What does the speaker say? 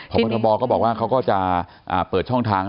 พบทบก็บอกว่าเขาก็จะเปิดช่องทาง